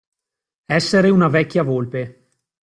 Essere una vecchia volpe.